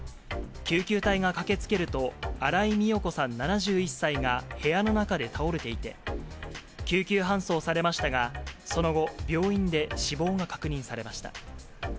救急隊が駆けつけると、新井美代子さん７１歳が部屋の中で倒れていて、救急搬送されましたが、その後、病院で死亡が確認されました。